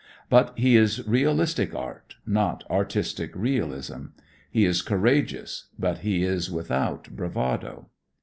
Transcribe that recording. But he is realistic art, not artistic realism. He is courageous, but he is without bravado.